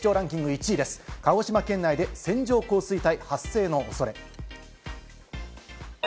１位は鹿児島県内で線状降水帯発生のおそれ。